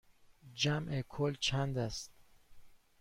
جمع کل چند است؟